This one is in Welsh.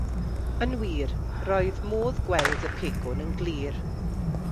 Yn wir, roedd modd gweld y pegwn yn glir.